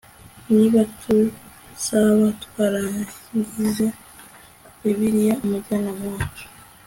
niba tuzaba twaragize bibiliya umujyanama wacu